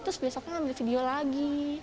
terus besok kan ambil video lagi